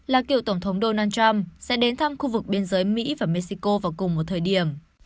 là cựu tổng thống donald trump sẽ đến thăm khu vực biên giới mỹ và mexico vào cùng một thời điểm